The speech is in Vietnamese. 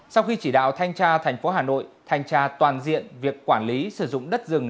sau khi chỉ đạo thanh tra thành phố hà nội thanh tra toàn diện việc quản lý sử dụng đất rừng